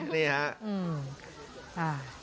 นี่ละครับ